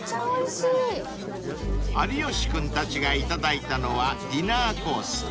［有吉君たちが頂いたのはディナーコース］